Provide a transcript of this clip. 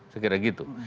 saya kira gitu